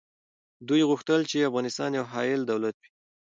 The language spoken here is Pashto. دوی غوښتل چي افغانستان یو حایل دولت وي.